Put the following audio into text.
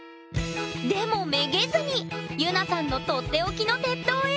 でもめげずにゆなさんのとっておきの鉄塔へ。